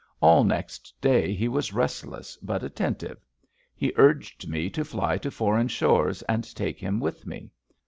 All next day he was restless but attentive. He urged me to fly to foreign shores, and take him with me.